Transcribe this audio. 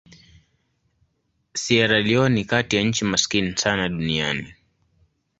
Sierra Leone ni kati ya nchi maskini sana duniani.